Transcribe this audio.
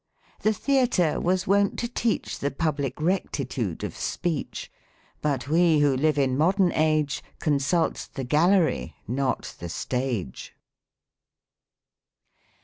The theatre was wont to teach The public rectitude of speech. But we who live in modern age Consult the gallery, not the stage.